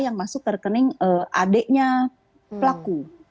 yang masuk rekening adeknya pelaku